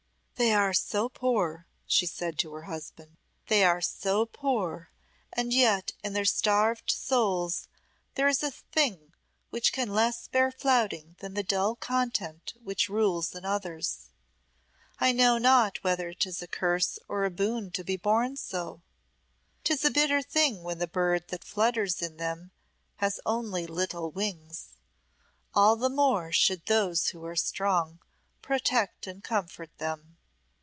"They are so poor," she said to her husband. "They are so poor, and yet in their starved souls there is a thing which can less bear flouting than the dull content which rules in others. I know not whether 'tis a curse or a boon to be born so. 'Tis a bitter thing when the bird that flutters in them has only little wings. All the more should those who are strong protect and comfort them."